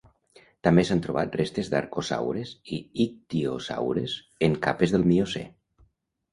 També s'han trobat restes d'arcosaures i ictiosaures en capes del Miocè.